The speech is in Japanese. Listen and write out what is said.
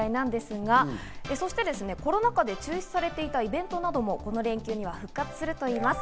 そしてコロナ禍で中止されていたイベントなどもこの連休には復活するといいます。